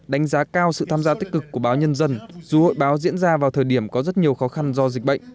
đánh giá cao sự tham gia tích cực của báo nhân dân dù hội báo diễn ra vào thời điểm có rất nhiều khó khăn do dịch bệnh